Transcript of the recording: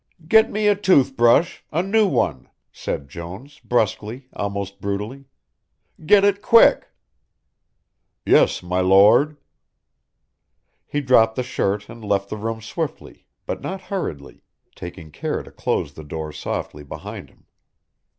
"Get me a tooth brush a new one," said Jones, brusquely, almost brutally. "Get it quick." "Yes, my Lord." He dropped the shirt and left the room swiftly, but not hurriedly, taking care to close the door softly behind him.